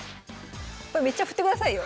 めっちゃ振ってくださいよ。